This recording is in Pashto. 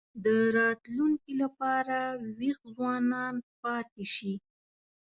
د راتلونکي لپاره وېښ ځوانان پاتې شي.